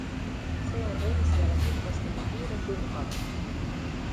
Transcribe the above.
See on reisijale kindlasti nii kiirem kui mugavam.